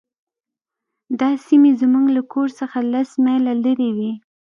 دا سیمې زموږ له کور څخه لس میله لرې وې